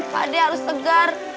pak deh harus segar